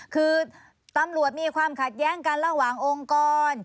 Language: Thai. คือตำรวจมีความขัดแย้งกันระหว่างองค์กร